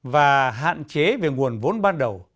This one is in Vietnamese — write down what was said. và hạn chế về nguồn vốn ban đầu